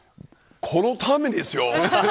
このためですよ。